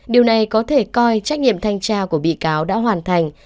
điều này có thể coi trách nhiệm thanh tra của bị cáo đã hoàn thành